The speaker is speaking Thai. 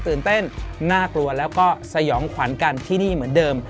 ตื่นเต้นน่ากลัวแล้วก็สยองขวัญกันที่นี่เหมือนเดิม